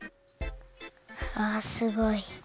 あすごい。